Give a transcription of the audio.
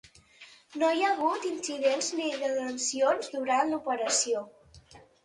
No hi ha hagut incidents ni detencions durant l’operació.